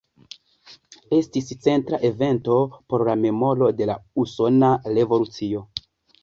Estis centra evento por la memoro de la Usona Revolucio.